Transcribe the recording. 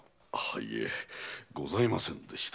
いえございませんでした。